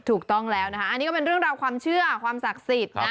ถูกต้องแล้วนะคะอันนี้ก็เป็นเรื่องราวความเชื่อความศักดิ์สิทธิ์นะ